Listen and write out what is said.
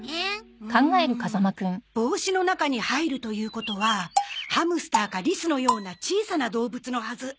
うーん帽子の中に入るということはハムスターかリスのような小さな動物のはず。